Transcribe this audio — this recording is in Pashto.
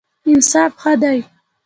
انصاف ښه دی.